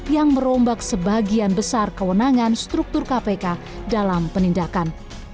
yang merombak sebagian besar kewenangan struktur kpk dalam penindakan